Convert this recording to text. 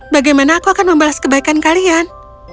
bagaimana aku akan membalas kebaikan kalian